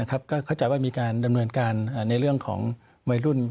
เข้าใจว่ามีการดำเนินการในเรื่องของวัยรุ่น